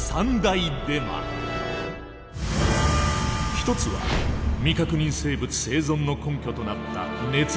一つは未確認生物生存の根拠となった捏造写真。